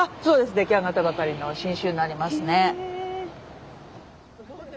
出来上がったばかりの新酒になりますね。